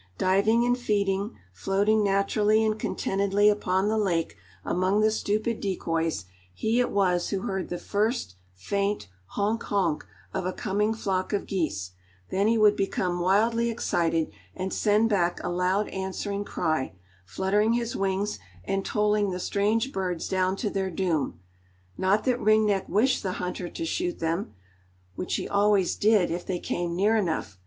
Diving and feeding, floating naturally and contentedly upon the lake among the stupid decoys, he it was who heard the first faint "honk, honk" of a coming flock of geese; then he would become wildly excited and send back a loud answering cry, fluttering his wings and tolling the strange birds down to their doom. Not that Ring Neck wished the hunter to shoot them, which he always did if they came near enough.